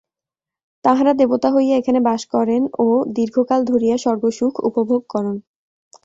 তাঁহারা দেবতা হইয়া এখানে বাস করেন ও দীর্ঘকাল ধরিয়া স্বর্গসুখ উপভোগ করেন।